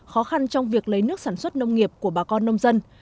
khó khăn trong việc lấy nước sản xuất nông nghiệp của bà con nông dân